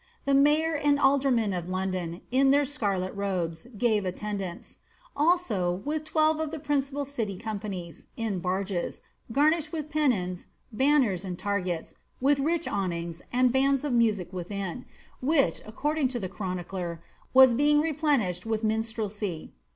The mayor and aldermen of London, in their acarlet robes, gave attendance,' aiso, with twelve of the principal city companies, in barges, garnished with pennons, banners, and targets, with rich awnings, and bands of music within, which, according to the chronicler, ^ wu being replenished with minstrelsy.